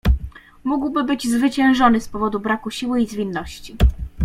"Mógłby być zwyciężony z powodu braku siły i zwinności."